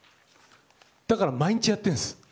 だから、毎日やってるんです。